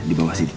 di bawah sini